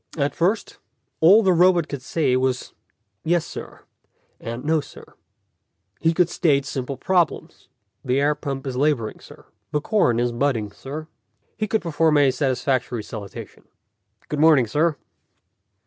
At first, all the robot could say was "Yes, sir," and "No, sir." He could state simple problems: "The air pump is laboring, sir." "The corn is budding, sir." He could perform a satisfactory salutation: "Good morning, sir."